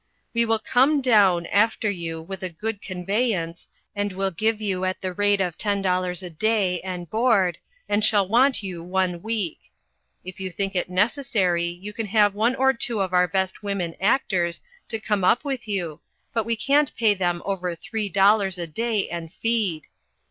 We will come doun after you with a good conveyance and will give you at the rate of 10 dollars a day and board and shall want you one week. If you think it necessary you can have one or two of our best women actors to come up with you but we can't pay them over three dollars a day and feed.